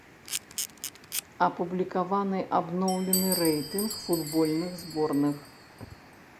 Апублікаваны абноўлены рэйтынг футбольных зборных.